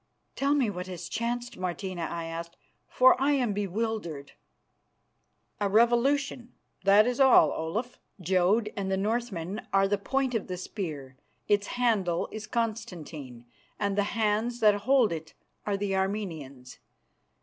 "Tell me what has chanced, Martina," I asked, "for I am bewildered." "A revolution, that is all, Olaf. Jodd and the Northmen are the point of the spear, its handle is Constantine, and the hands that hold it are the Armenians.